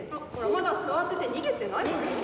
まだ座ってて逃げてないでしょ。